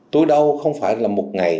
tôi đau không phải là một ngày